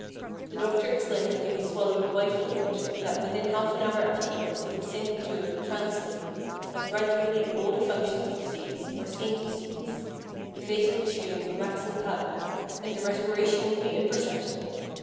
The doctor explained that he would swallow the white fluid, and that within half an hour afterwards he would sink into a profound sleep, that gradually all the functions would cease, or seem to cease, the face would assume a waxen pallor, and the respiration would be imperceptible.